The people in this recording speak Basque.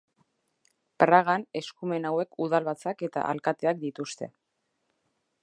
Pragan eskumen hauek udalbatzak eta alkateak dituzte.